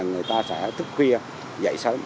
người ta sẽ thức khuya dậy sớm